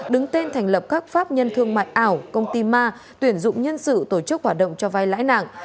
đứng tên thành lập các pháp nhân thương mại ảo công ty ma tuyển dụng nhân sự tổ chức hoạt động cho vai lãi nặng